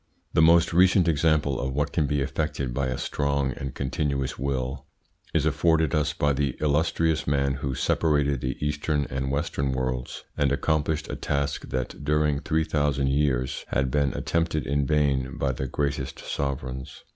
The most recent example of what can be effected by a strong and continuous will is afforded us by the illustrious man who separated the Eastern and Western worlds, and accomplished a task that during three thousand years had been attempted in vain by the greatest sovereigns.